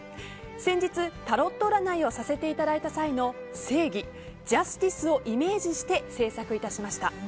先日、タロット占いをさせていただいた際の正義、ジャスティスをイメージして制作いたしました。